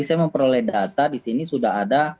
saya memperoleh data disini sudah ada